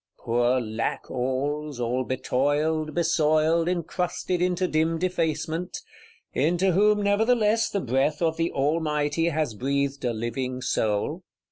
Poor Lackalls, all betoiled, besoiled, encrusted into dim defacement; into whom nevertheless the breath of the Almighty has breathed a living soul!